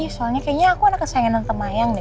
soalnya kayaknya aku anak kesayangan nante mayang deh